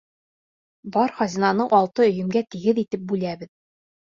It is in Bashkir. Бар хазинаны алты өйөмгә тигеҙ итеп бүләбеҙ.